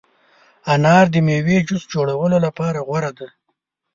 انار د مېوې جوس جوړولو لپاره غوره دی.